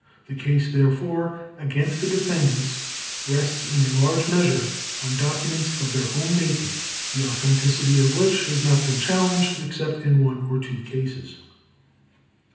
The case, therefore, against the defendants rests in a large measure on documents of their own making, the authenticity of which has not been challenged except in one or two cases.